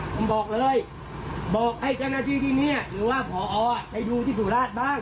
ผมบอกเลยบอกให้เจ้าหน้าที่ที่นี่หรือว่าพอได้ดูที่สุราชบ้าง